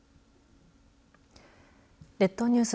列島ニュース